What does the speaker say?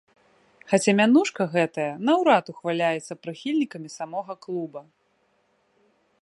Хаця мянушка гэтая наўрад ухваляецца прыхільнікамі самога клуба.